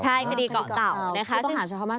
ใช่คดีเกาะเต่าที่ต้องหาช่วยเข้ามา๒คน